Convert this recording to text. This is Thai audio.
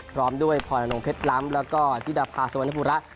พร้อมด้วยพรนงเพชรล้ำแล้วก็ธิดาภาสุวรรณบุระ